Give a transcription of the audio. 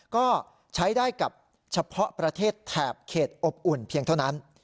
ก็ใช้ได้กับเฉพาะประเทศแถบเขตอบอุ่นเพียงเท่านั้น